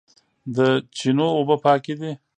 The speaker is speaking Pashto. د چینو اوبه پاکې دي